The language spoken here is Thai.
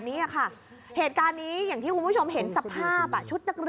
พี่ซูอาเหตุการณ์นี้ที่ผู้ผู้ชมเห็นสภาพอ่ะ